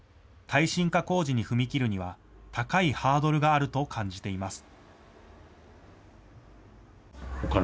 耐震化工事に踏み切るには高いハードルがあると感じています。